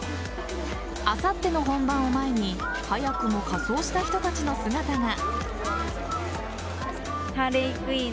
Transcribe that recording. あさっての本番を前に早くも仮装した人たちの姿が。